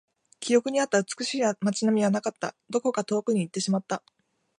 記録にあった美しい街並みはなかった。どこか遠くに行ってしまった。